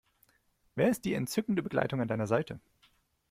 Wer ist die entzückende Begleitung an deiner Seite?